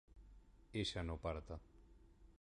¿ella no parta?